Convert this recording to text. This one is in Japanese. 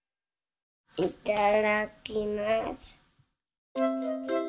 いただきます。